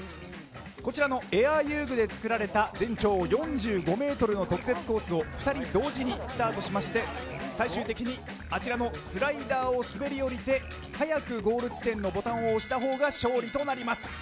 こちらのエアー遊具で作られた全長４５メートルの特設コースを２人同時にスタートして最終的にあちらのスライダーを滑り降り早くゴール地点のボタンを押した方が勝利となります。